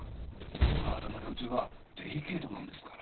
クワガタの幼虫はデリケートなんですから。